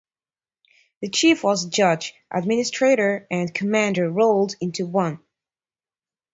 The chief was a judge, administrator and commander rolled into one.